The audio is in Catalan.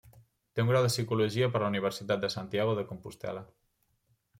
Té un grau de psicologia per la universitat de Santiago de Compostel·la.